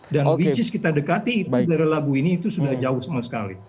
dan kebijakan yang kita dekati dari lagu ini sudah jauh sekali